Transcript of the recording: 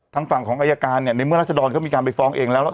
ทางฝั่งของอายการเนี่ยในเมื่อรัชดรเขามีการไปฟ้องเองแล้ว